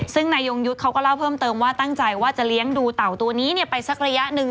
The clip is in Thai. ซึ่งนายยงยุทธ์เขาก็เล่าเพิ่มเติมว่าตั้งใจว่าจะเลี้ยงดูเต่าตัวนี้ไปสักระยะหนึ่ง